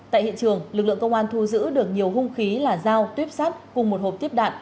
tại hiện trường lực lượng công an thu giữ được nhiều hung khí là dao tuyếp sắt cùng một hộp tiếp đạn